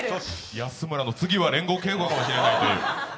安村の次は連合稽古かもしれないという。